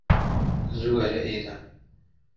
زوو وەرە ئێرە